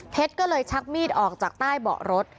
ก็เลยชักมีดออกจากใต้เบาะรถ